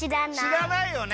しらないよね。